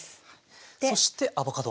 そしてアボカド。